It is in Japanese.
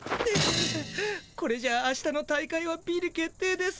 これじゃあしたの大会はビリ決定です。